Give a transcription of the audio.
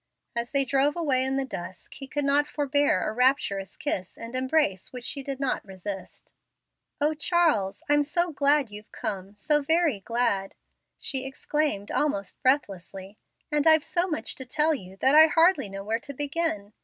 As they drove away in the dusk he could not forbear a rapturous kiss and embrace which she did not resist. "O Charles, I'm so glad you've come so very glad!" she exclaimed almost breathlessly; "and I've so much to tell you that I hardly know where to begin.